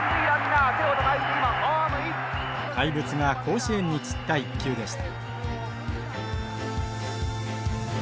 怪物が甲子園に散った一球でした。